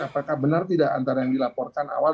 apakah benar tidak antara yang dilaporkan awal